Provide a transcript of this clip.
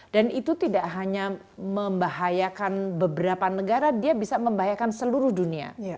dan itu tidak hanya membahayakan beberapa negara dia bisa membahayakan seluruh dunia